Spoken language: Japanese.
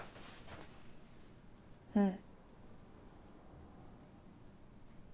うん。